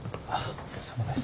お疲れさまです。